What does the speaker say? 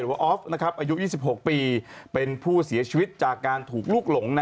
ออฟอายุ๒๖ปีเป็นผู้เสียชีวิตจากการถูกลูกหลง